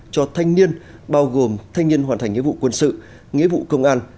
cho thanh niên bao gồm thanh niên hoàn thành nghĩa vụ quân sự nghĩa vụ công an